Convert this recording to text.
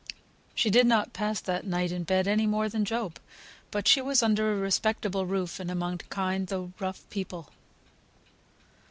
She did not pass that night in bed any more than Job; but she was under a respectable roof, and among kind, though rough people.